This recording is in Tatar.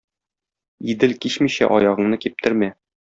Идел кичмичә аягыңны киптермә.